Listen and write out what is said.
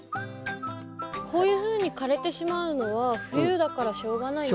こういうふうに枯れてしまうのは冬だからしょうがないんですか？